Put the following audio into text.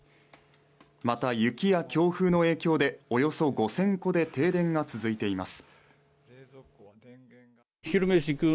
また、雪や強風の影響でおよそ５０００戸で停電が続いています。